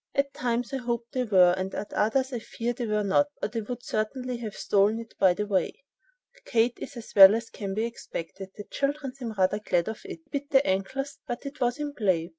At times I hope they were, and at others I fear they were not, or they would certainly have stolen it by the way. Kate is as well as can be expected. The children seem rather glad of it. He bit their ankles, but that was in play."